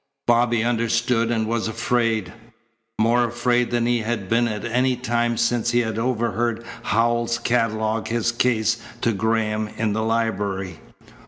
Bobby understood and was afraid more afraid than he had been at any time since he had overheard Howells catalogue his case to Graham in the library.